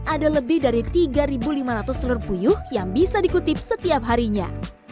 ada lebih dari tiga lima ratus telur puyuh yang bisa dikutip setiap harinya